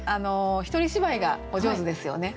一人芝居がお上手ですよね。